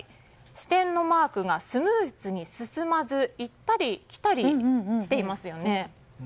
視点のマークがスムーズに進まず行ったり来たりしていますよね。